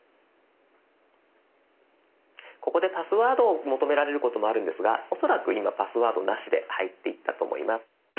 ここでパスワードを求められることもあるんですが恐らく今パスワードなしで入っていったと思います。